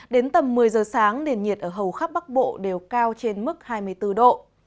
đến tầm một mươi giờ sáng nền nhiệt ở hầu khắp bắc bộ đều cao trên mức hai mươi bốn độ